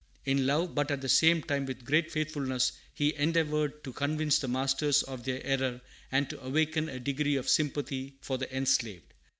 "] In love, but at the same time with great faithfulness, he endeavored to convince the masters of their error, and to awaken a degree of sympathy for the enslaved.